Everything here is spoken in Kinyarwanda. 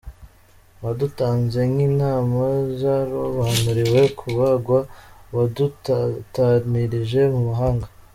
Wadutanze nk’intama zarobanuriwe kubagwa, Wadutatanirije mu mahanga.